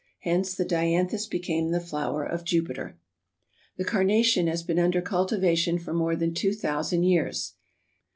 Hence the Dianthus became the flower of Jupiter. The Carnation has been under cultivation for more than two thousand years.